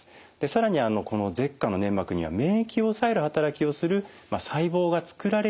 更にこの舌下の粘膜には免疫を抑える働きをする細胞が作られやすいという特徴があります。